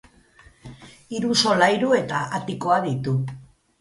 Hiru solairu eta atikoa ditu.